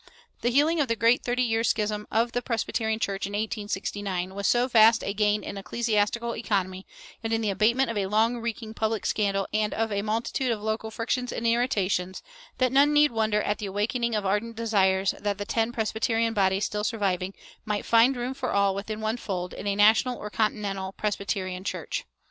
The healing of the great thirty years' schism of the Presbyterian Church, in 1869, was so vast a gain in ecclesiastical economy, and in the abatement of a long reeking public scandal and of a multitude of local frictions and irritations, that none need wonder at the awakening of ardent desires that the ten Presbyterian bodies still surviving might "find room for all within one fold"[413:3] in a national or continental Presbyterian Church.